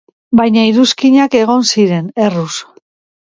Baina iruzkinak egon ziren, erruz.